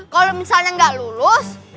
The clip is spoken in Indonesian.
kalau misalnya gak lulus